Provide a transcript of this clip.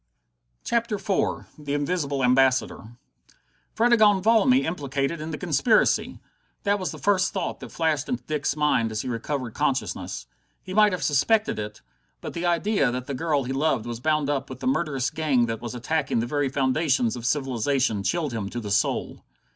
CHAPTER IV The Invisible Ambassador Fredegonde Valmy implicated in the conspiracy! That was the first thought that flashed into Dick's mind as he recovered consciousness. He might have suspected it! But the idea that the girl he loved was bound up with the murderous gang that was attacking the very foundations of civilization chilled him to the soul.